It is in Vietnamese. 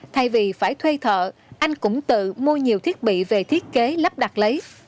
thay vì phải thuê thợ anh cũng tự mua nhiều thiết bị về thiết kế lắp đặt lấy